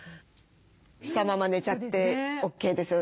したまま寝ちゃってＯＫですよ。